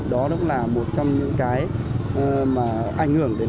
đó cũng là một trong những cái mà ảnh hưởng đến